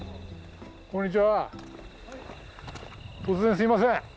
突然すいません。